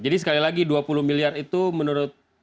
jadi sekali lagi dua puluh miliar itu menurut